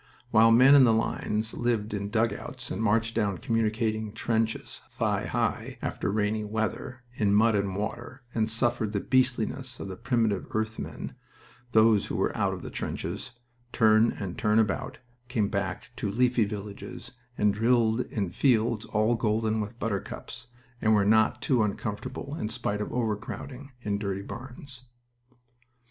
While men in the lines lived in dugouts and marched down communicating trenches thigh high, after rainy weather, in mud and water, and suffered the beastliness of the primitive earth men, those who were out of the trenches, turn and turn about, came back to leafy villages and drilled in fields all golden with buttercups, and were not too uncomfortable in spite of overcrowding in dirty barns.